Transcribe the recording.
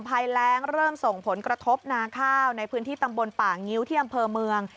ภัยแรงเริ่มส่งผลกระทบนาข้าวในพื้นที่ตำบลป่างิ้วที่อำเภอเมือง